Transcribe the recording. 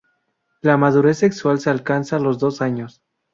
La madurez sexual se alcanza a los dos años.